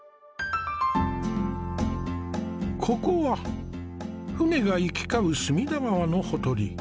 ここは舟が行き交う隅田川のほとり。